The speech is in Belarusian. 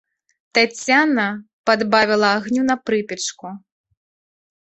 Таццяна падбавіла агню на прыпечку.